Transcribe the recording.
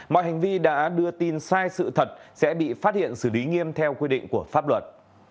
mọi hành vi đã đưa tin sai sự thật sẽ bị phát hiện xử lý nghiêm theo quy định của pháp luật